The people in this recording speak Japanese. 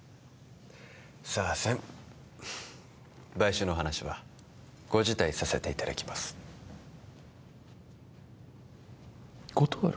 さあせん買収の話はご辞退させていただきます断る？